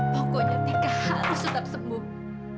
pokoknya tika harus tetap sembuh